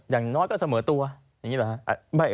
อย่างน้อยก็เสมอตัวอย่างนี้หรอครับ